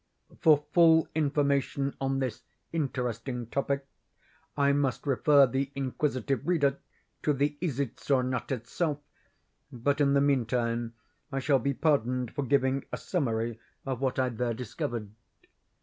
For full information on this interesting topic, I must refer the inquisitive reader to the "Isitsöornot" itself; but in the meantime, I shall be pardoned for giving a summary of what I there discovered.